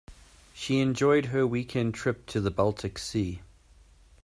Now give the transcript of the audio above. She enjoyed her weekend trip to the baltic sea.